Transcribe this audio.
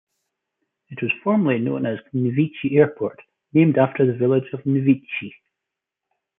It was formerly known as Knevichi Airport, named after the village of Knevichi.